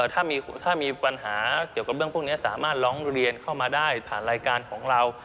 ถ้ามีปัญหาเกี่ยวกับเรื่องพวกนี้สามารถร้องเรียนเข้ามาได้ผ่านรายการของเรา